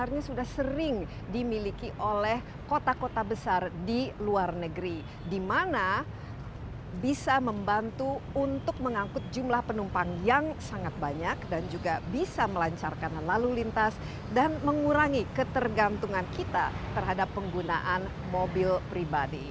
ini sudah sering dimiliki oleh kota kota besar di luar negeri di mana bisa membantu untuk mengangkut jumlah penumpang yang sangat banyak dan juga bisa melancarkan lalu lintas dan mengurangi ketergantungan kita terhadap penggunaan mobil pribadi